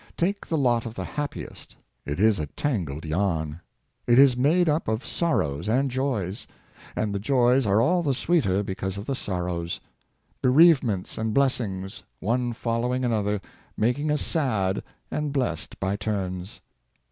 Take the lot of the happiest — it is a tangled yarn. It Is made up of sorrows and joys; and the joys are all the sweeter because of the sorrows; bereavements and blessings, one following an other, making us sad and blessed by turns.